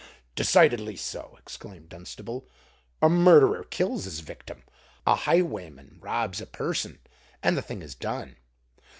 "Decidedly so," exclaimed Lord Dunstable. "A murderer kills his victim—a highwayman robs a person; and the thing is done.